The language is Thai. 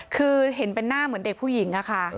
คือเห็นเป็นหน้าเหมือนเด็กผู้หญิงอะค่ะ